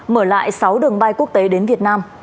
mở lại sáu đường bay quốc tế đến việt nam